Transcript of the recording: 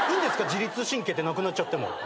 自律神経ってなくなっちゃっても。